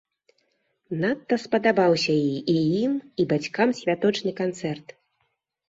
Надта спадабаўся і ім, і бацькам святочны канцэрт.